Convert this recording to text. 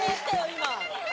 今。